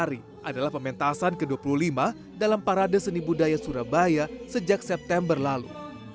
pemintasan ke dua puluh lima adalah pementasan ke dua puluh lima dalam parade seni budaya surabaya sejak september lalu